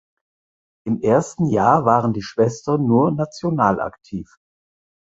Im ersten Jahr waren die Schwestern nur national aktiv.